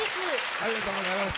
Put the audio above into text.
ありがとうございます。